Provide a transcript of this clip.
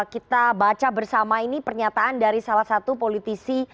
kita baca bersama ini pernyataan dari salah satu politisi